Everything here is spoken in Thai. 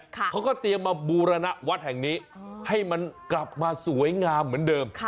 เขาก็เตรียมมาบูรณวัดแห่งนี้ให้มันกลับมาสวยงามเหมือนเดิม